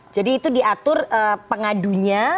jadi itu diatur pengadunya